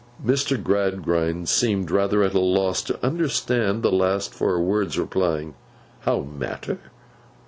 Mr. Gradgrind seemed rather at a loss to understand the last four words; replying, 'How, matter?